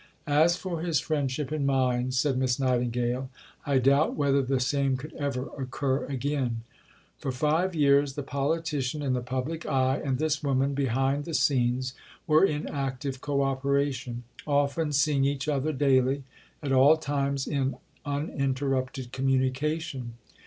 "As for his friendship and mine," said Miss Nightingale, "I doubt whether the same could ever occur again." For five years the politician in the public eye, and this woman behind the scenes, were in active co operation; often seeing each other daily, at all times in uninterrupted communication.